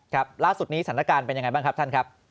ครับล่าสุดนี้สถานการณ์เป็นยังไงบ้างครับท่านครับ